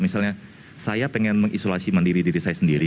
misalnya saya ingin mengisolasi mandiri diri saya sendiri